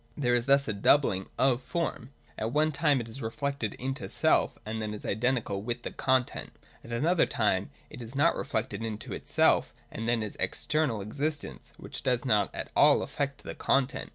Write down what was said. There is thus a doubling of form. At one time it is reflected into itself; and then is identical with the content. At another time it is not reflected into itself, and then is the external existence, which does not at all affect the content.